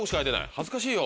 恥ずかしいよ。